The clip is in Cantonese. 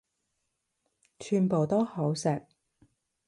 全部都好食